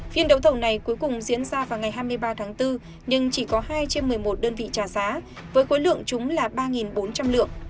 phiên đấu thầu này cuối cùng diễn ra vào ngày hai mươi ba tháng bốn nhưng chỉ có hai trên một mươi một đơn vị trả giá với khối lượng chúng là ba bốn trăm linh lượng